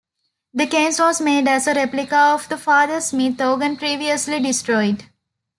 The case was made as a replica of the Father Smith organ previously destroyed.